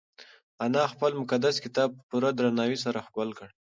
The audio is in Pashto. انا خپل مقدس کتاب په پوره درناوي سره ښکل کړ.